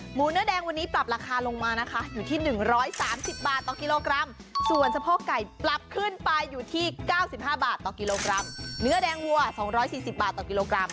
หมูเนื้อแดงวันนี้ปรับราคาลงมานะคะอยู่ที่๑๓๐บาทต่อกิโลกรัมส่วนสะโพกไก่ปรับขึ้นไปอยู่ที่๙๕บาทต่อกิโลกรัมเนื้อแดงวัว๒๔๐บาทต่อกิโลกรัม